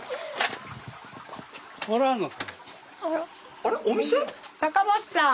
あらお店？